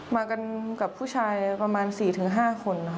มากันกับผู้ชายประมาณนี้ประมาณนี้ค่ะ